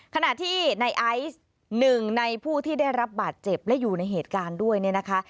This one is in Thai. ขณะที่ในไอซ์หนึ่งในผู้ที่ได้รับบาดเจ็บและอยู่ในเหตุการณ์ด้วยเนี่ยนะคะ